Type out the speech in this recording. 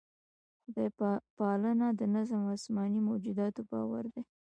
خدای پالنه د نظم او اسماني موجوداتو باور دی.